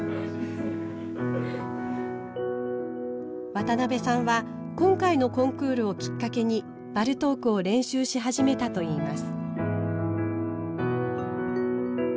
渡邊さんは今回のコンクールをきっかけにバルトークを練習し始めたといいます。